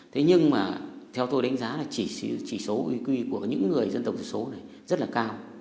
thế nhưng mà theo tôi đánh giá là chỉ số uy quy của những người dân tộc thiểu số này rất là cao